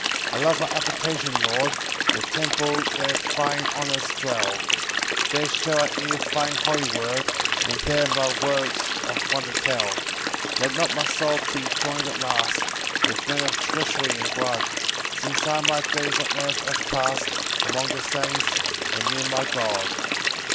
4 I love thy habitation, Lord, The temple where thine honours dwell; There shall I hear thine holy word, And there thy works of wonder tell. 5 Let not my soul be join'd at last With men of treachery and blood, Since I my days on earth have past Among the saints, and near my God.